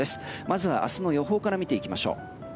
まずは明日の予報から見ていきましょう。